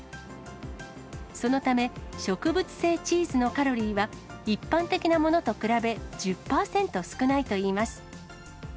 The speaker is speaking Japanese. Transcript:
そのため植物性チーズのカロリーは、一般的なものと比べ１０％少ないといいます。